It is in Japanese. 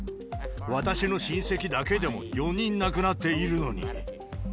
私の親戚だけでも４人亡くなっているのに。